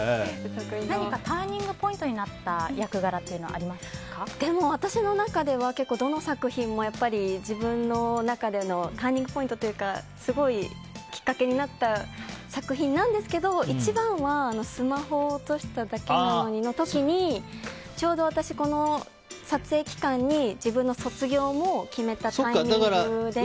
何かターニングポイントになったでも、私の中では結構どの作品も自分の中でのターニングポイントというかすごい、きっかけになった作品なんですけど一番は「スマホを落としただけなのに」の時にちょうど、私、この撮影期間に自分の卒業を決めたタイミングで。